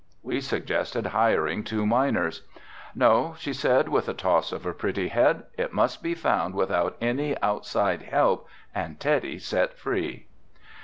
We suggested hiring two miners. "No," she said, with a toss of her pretty head, "it must be found without any outside help and Teddy set free."